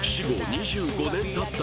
２５年たった